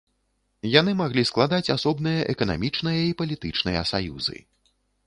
Яны маглі складаць асобныя эканамічныя і палітычныя саюзы.